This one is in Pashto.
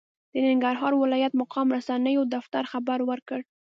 د ننګرهار ولايت مقام رسنیو دفتر خبر ورکړ،